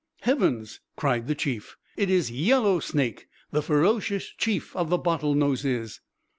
"Heavens!" cried the Chief. "It is Yellow Snake, the ferocious Chief of the Bottlenoses!"